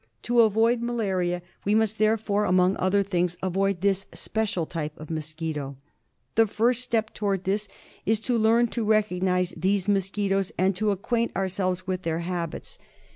To avoid malaria we must therefore, among other things, avoid this special kind of mosquito. The first step towards this is to learn to recognise these mosquitoes and to acquaint ourselves with their habits.